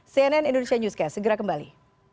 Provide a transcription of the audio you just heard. cnn indonesia newscast segera kembali